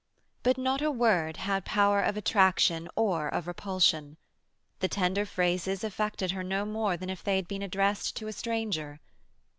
But not a word had power of attraction or of repulsion. The tender phrases affected her no more than if they had been addressed to a stranger.